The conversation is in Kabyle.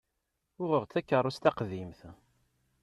Uɣeɣ-d takerrust taqdimt.